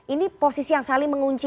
ini posisi yang saling mengunci